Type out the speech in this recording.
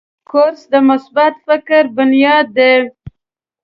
کورس د مثبت فکر بنیاد دی.